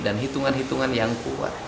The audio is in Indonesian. dan hitungan hitungan yang kuat